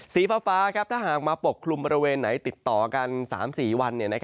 สีฟ้าถ้าหากมาปกคลุมบริเวณไหนติดต่อกัน๓๔วัน